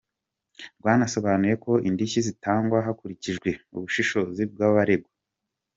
Rwanasobanuye ko indishyi zitangwa hakurikijwe ubushobozi bw’abaregwa.